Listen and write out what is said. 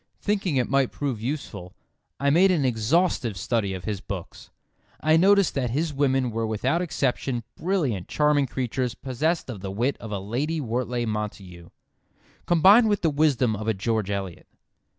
Thinking it might prove useful, I made an exhaustive study of his books. I noticed that his women were without exception brilliant charming creatures possessed of the wit of a Lady Wortlay Montagu, combined with the wisdom of a George Eliot.